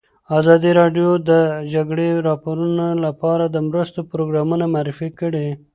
ازادي راډیو د د جګړې راپورونه لپاره د مرستو پروګرامونه معرفي کړي.